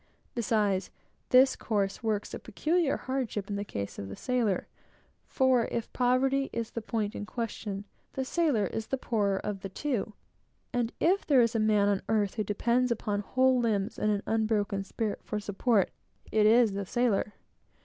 Besides, this course works a peculiar hardship in the case of the sailor. For if poverty is the point in question, the sailor is the poorer of the two; and if there is a man on earth who depends upon whole limbs and an unbroken spirit for support, it is the sailor.